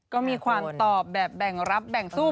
ก็มีความตอบแบบแบ่งรับแบ่งสู้